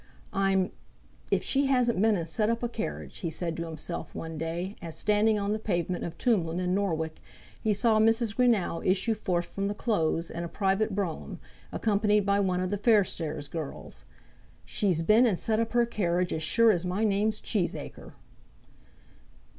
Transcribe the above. "I'm if she hasn't been and set up a carriage!" he said to himself one day, as standing on the pavement of Tombland, in Norwich, he saw Mrs. Greenow issue forth from the Close in a private brougham, accompanied by one of the Fairstairs girls. "She's been and set up her carriage as sure as my name's Cheesacre!"